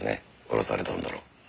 殺されたんだろ？